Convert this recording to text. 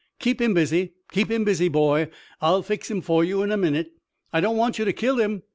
"Keep him busy, keep him busy, boy. I'll fix him for you in a minute." "I don't want you to kill him."